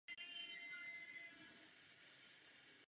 Oba již byly vyřazeny.